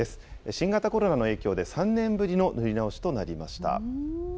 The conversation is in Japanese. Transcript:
新型コロナの影響で３年ぶりの塗り直しとなりました。